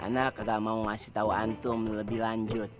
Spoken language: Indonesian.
anak kagak mau ngasih tau antum lebih lanjut